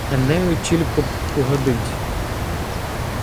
Енею тілько б угодить.